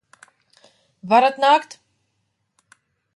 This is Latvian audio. Varat nākt!